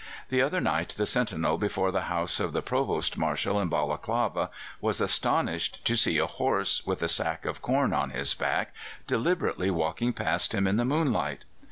The other night the sentinel before the house of the Provost Marshal in Balaklava was astonished to see a horse, with a sack of corn on his back, deliberately walking past him in the moonlight.